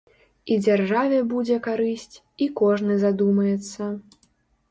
І дзяржаве будзе карысць, і кожны задумаецца.